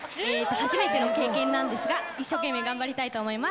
初めての経験なんですが、一生懸命頑張りたいと思います。